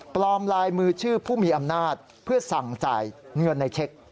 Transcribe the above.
ลายมือชื่อผู้มีอำนาจเพื่อสั่งจ่ายเงินในเช็ค